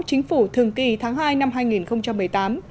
chính phủ thường kỳ tháng hai năm hai nghìn một mươi tám